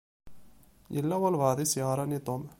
Yella walebɛaḍ i s-yeɣṛan i Tom.